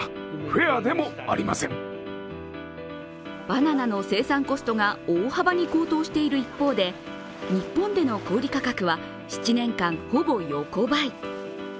バナナの生産コストが大幅に高騰している一方で、日本での小売価格は７年間ほぼ横ばい。